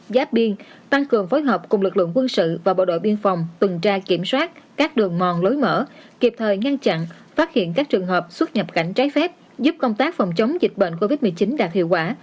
giáp biên tăng cường phối hợp cùng lực lượng quân sự và bộ đội biên phòng tuần tra kiểm soát các đường mòn lối mở kịp thời ngăn chặn phát hiện các trường hợp xuất nhập cảnh trái phép giúp công tác phòng chống dịch bệnh covid một mươi chín đạt hiệu quả